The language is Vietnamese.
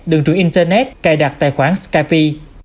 đường truyền internet cài đặt tài khoản skype